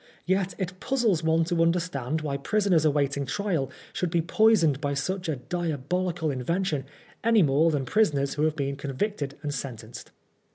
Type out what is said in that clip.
Yet it pnzzles one to understand why prisoners awaiting trial should be poisoned by such a diabolical invention any more than prisoners who have been convicted and sentenced.